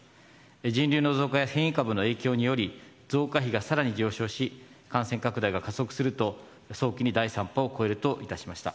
人流の増加や変異株の影響により、増加比がさらに上昇し、感染拡大が加速すると、早期に第３波を超えるといたしました。